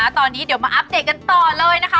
ตอนนี้เดี๋ยวมาอัปเดตกันต่อเลยนะคะ